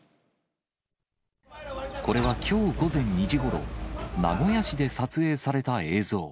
これはきょう午前２時ごろ、名古屋市で撮影された映像。